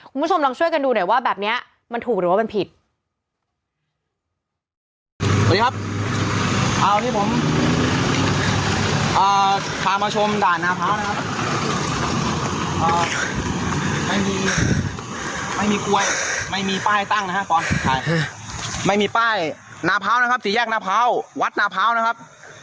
คุณผู้ชมลองช่วยกันดูหน่อยว่าแบบนี้มันถูกหรือว่ามันผิด